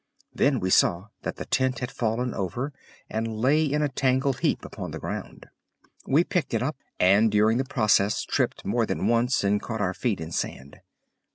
Then we saw that the tent had fallen over and lay in a tangled heap upon the ground. We picked it up, and during the process tripped more than once and caught our feet in sand.